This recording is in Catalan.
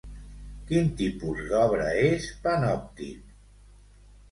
Quin tipus d'obra és Panoptik?